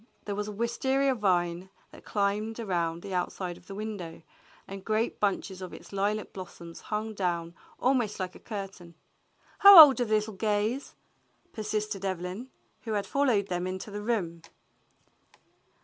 There was a wistaria vine that climbed around the outside of the window, and great bunches of its lilac blossoms hung down almost like a curtain. "How old are the little Gays. f^" persisted Evelyn, who had followed them into the room.